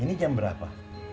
ini jam berapa